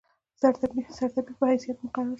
سرطبیب په حیث مقرر شو.